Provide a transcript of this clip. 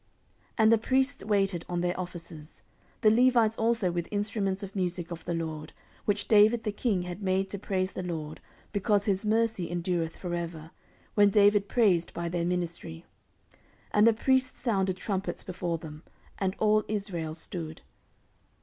14:007:006 And the priests waited on their offices: the Levites also with instruments of musick of the LORD, which David the king had made to praise the LORD, because his mercy endureth for ever, when David praised by their ministry; and the priests sounded trumpets before them, and all Israel stood.